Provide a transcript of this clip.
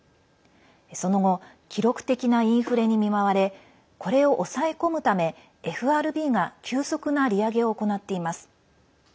その後記録的なインフレに見舞われこれを抑え込むためＦＲＢが急速な利上げを行っています。